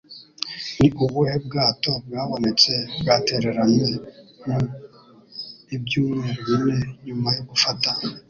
Ni ubuhe bwato bwabonetse bwatereranywe mu Ibyumweru bine nyuma yo gufata